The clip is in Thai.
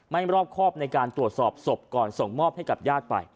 รอบครอบในการตรวจสอบศพก่อนส่งมอบให้กับญาติไป